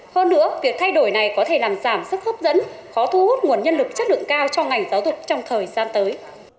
hơn nữa việc thay đổi này có thể làm giảm sức hấp dẫn khó thu hút nguồn nhân lực chất lượng cao cho ngành giáo dục trong thời gian tới